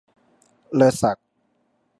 เลิศศักดิ์